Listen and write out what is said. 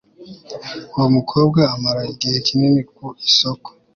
uwo mukobwa amara igihe kinini ku isoko